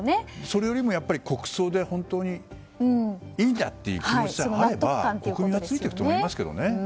それよりも国葬で本当にいいんだという気持ちがあれば国民はついていくと思いますけどね。